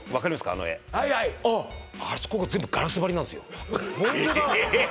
あの絵あそこが全部ガラス張りなんですよええ